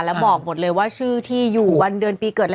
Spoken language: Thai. แล้วบอกหมดเลยว่าชื่อที่อยู่วันเดือนปีเกิดอะไร